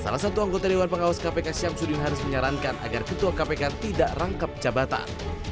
salah satu anggota dewan pengawas kpk syamsuddin harus menyarankan agar ketua kpk tidak rangkap jabatan